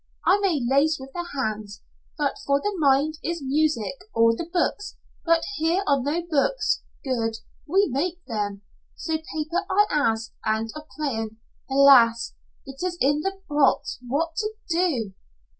I make lace with the hands but for the mind is music or the books but here are no books good we make them. So, paper I ask, and of crayon Alas! It is in the box! What to do?"